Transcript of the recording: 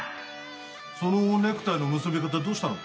そのネクタイの結び方どうしたの？